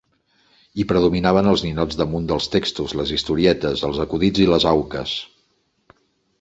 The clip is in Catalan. Hi predominaven els ninots damunt dels textos, les historietes, els acudits i les auques.